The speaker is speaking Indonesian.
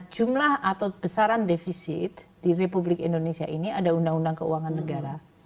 jumlah atau besaran defisit di republik indonesia ini ada undang undang keuangan negara